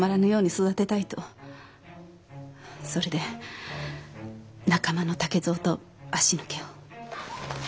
それで仲間の武蔵と足抜けを。